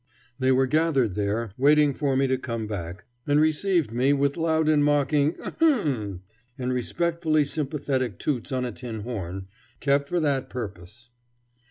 They were gathered there, waiting for me to come back, and received me with loud and mocking ahems! and respectfully sympathetic toots on a tin horn, kept for that purpose.